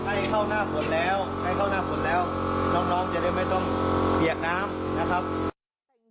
ให้เข้าหน้าฝนแล้วให้เข้าหน้าฝนแล้วน้องจะได้ไม่ต้องเปียกน้ำนะครับ